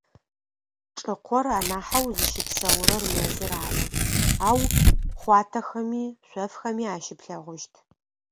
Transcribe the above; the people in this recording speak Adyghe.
Чӏыкъор анахьэу зыщыпсэурэр мэзыр ары, ау хъуатэхэми, шъофхэми ащыплъэгъущт.